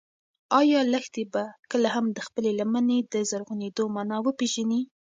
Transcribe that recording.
ایا لښتې به کله هم د خپلې لمنې د زرغونېدو مانا وپېژني؟